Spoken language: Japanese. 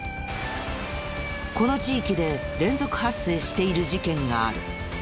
この地域で連続発生している事件がある。